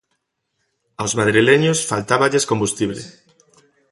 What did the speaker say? Aos madrileños faltáballes combustible.